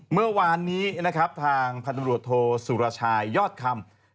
เมื่อวานนี้นะครับทางพันธบรวจโทสุรชายยอดคำ